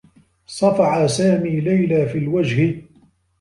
صفع سامي ليلى في الوجه.